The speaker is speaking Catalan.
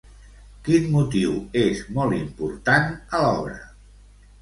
Quin motiu és molt important a l'obra?